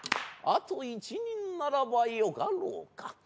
あと一人ならばよかろうか。